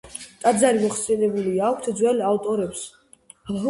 ტაძარი მოხსენიებული აქვთ ძველ ავტორებს.